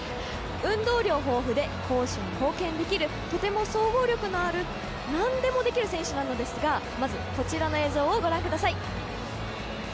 運動量豊富で攻守に貢献できるとても総合力のある何でもできる選手なのですがまず、こちらの映像をご覧ください。